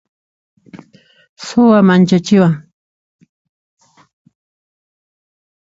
Suwa manchachiwan.